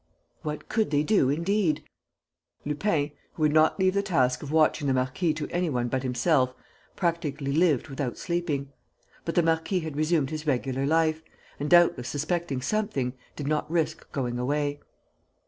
What could they do indeed? Lupin, who would not leave the task of watching the marquis to any one but himself, practically lived without sleeping. But the marquis had resumed his regular life; and, doubtless suspecting something, did not risk going away.